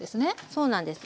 そうなんです。